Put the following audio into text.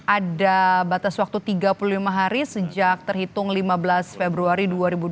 ada batas waktu tiga puluh lima hari sejak terhitung lima belas februari dua ribu dua puluh